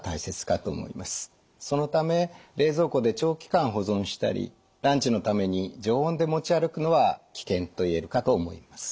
そのため冷蔵庫で長期間保存したりランチのために常温で持ち歩くのは危険といえるかと思います。